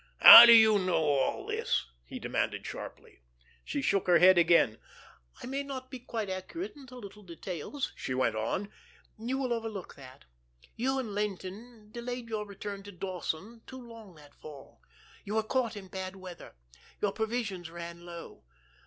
"How do you know all this?" he demanded sharply. She shook her head again. "I may not be quite accurate in the little details," she went on. "You will overlook that. You and Laynton delayed your return to Dawson too long that fall. You were caught in bad weather. Your provisions ran low.